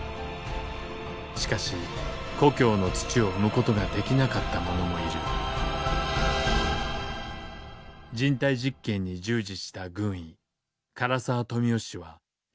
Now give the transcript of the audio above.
しかし故郷の土を踏むことができなかった者もいる人体実験に従事した軍医柄沢十三夫氏は帰国の直前に死亡。